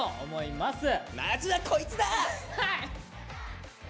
まずはこいつだ！